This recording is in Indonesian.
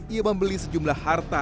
ia membeli sejumlah harta